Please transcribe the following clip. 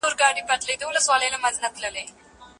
د سیاست علم لومړی په امریکا کي وده وکړه.